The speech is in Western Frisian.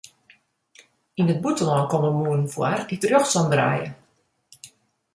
Yn it bûtenlân komme mûnen foar dy't rjochtsom draaie.